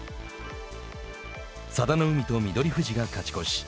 佐田の海と翠富士が勝ち越し。